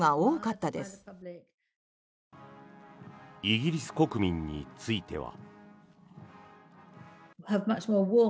イギリス国民については。